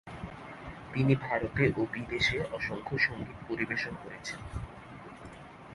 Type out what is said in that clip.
তিনি ভারতে ও বিদেশে অসংখ্য সংগীত পরিবেশন করেছেন।